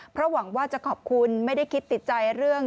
เพราะหวังว่าจะขอบคุณไม่ได้คิดติดใจเรื่อง